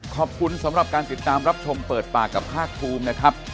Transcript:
ขอบคุณสำหรับการติดตามรับชมเปิดปากกับภาคภูมินะครับ